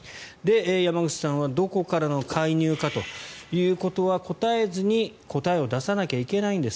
山口さんは、どこからの介入かということは答えずに答えを出さなきゃいけないんです